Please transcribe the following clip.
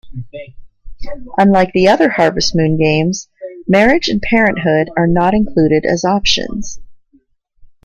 Unlike the other Harvest Moon games, marriage and parenthood are not included as options.